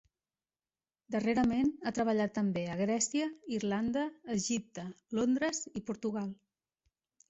Darrerament ha treballat també a Grècia, Irlanda, Egipte, Londres i Portugal.